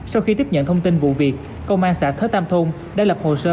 sau khi tiếp nhận thông tin vụ việc công an xã thớ tam thôn đã lập hồ sơ